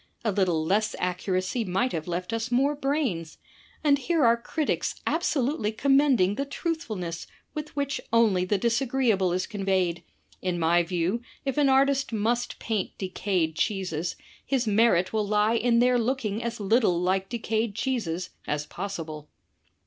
A little less accuracy might have left us more brains. And here are critics abso lutely commending the truthfulness with which only the disagreeable is conveyed! In my view, if an artist must paint decayed cheeses, his merit will lie in their looking as little like decayed cheeses as possible!"